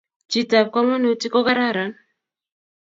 Chet ab kamanutik kokararan